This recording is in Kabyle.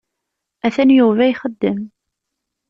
Atan Yuba ixeddem.